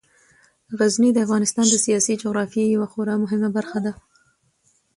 غزني د افغانستان د سیاسي جغرافیې یوه خورا مهمه برخه ده.